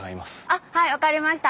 あっはい分かりました。